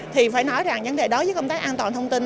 thì phải nói rằng vấn đề đối với công tác an toàn thông tin